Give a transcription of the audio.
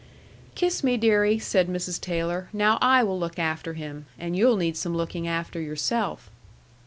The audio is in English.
"Kiss me, deary," said Mrs. Taylor. "Now I will look after him and you'll need some looking after yourself."